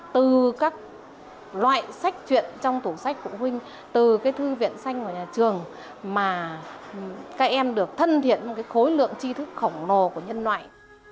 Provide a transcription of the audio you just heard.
từ các loại sách chuyện trong tủ sách phụ huynh từ cái thư viện xanh của nhà trường mà các em được thân thiện một cái khối lượng chi thức khổng lồ của nhân loại